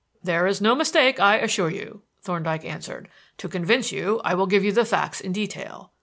"There is no mistake, I assure you," Thorndyke answered. "To convince you, I will give you the facts in detail.